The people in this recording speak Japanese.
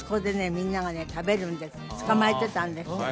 みんながね食べるんです捕まえてたんですよ